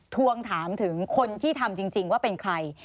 ทวงถามถึงคนที่ทำจริงว่าเป็นใคร